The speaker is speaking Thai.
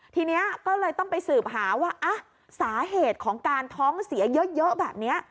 ทีนี้ก็เลยต้องไปสืบหาว่าสาเหตุของการท้องเสียเยอะแบบนี้